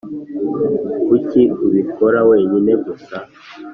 Kuki ubikora wenyine gusa